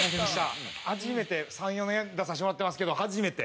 初めて３４年出させてもらってますけど初めて。